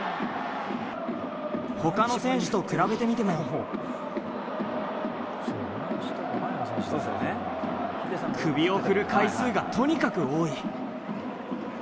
他の選手と比べてみても首を振る回数がとにかく多い。